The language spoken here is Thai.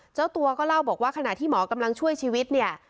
เจ้าตัวก็เล่าบอกว่าขณะที่หมอกำลังช่วยชีวิตเนี่ย